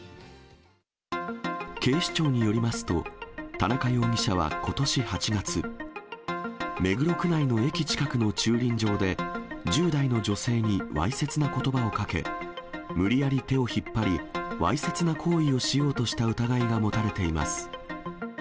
警視庁によりますと、田中容疑者はことし８月、目黒区内の駅近くの駐輪場で、１０代の女性にわいせつなことばをかけ、無理やり手を引っ張り、わいせつな行為をしようとした疑いが持たれています。